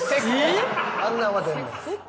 あんなんは出るねん。